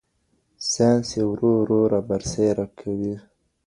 ساينس يې ورو ورو رابرسېره کوي.